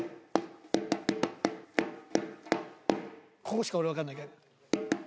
ここしか俺わかんない。